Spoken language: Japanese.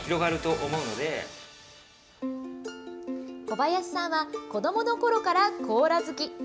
小林さんは、子どものころからコーラ好き。